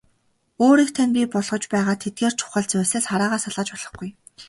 Өөрийг тань бий болгож байгаа тэдгээр чухал зүйлсээс хараагаа салгаж болохгүй.